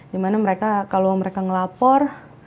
gimana mereka kalo mereka ngelapor